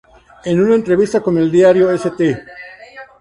En una entrevista con el diario St.